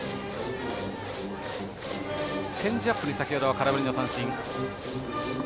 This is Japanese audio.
チェンジアップで先ほどは空振りの三振。